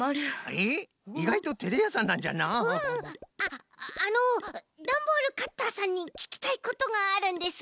ああのダンボールカッターさんにききたいことがあるんです。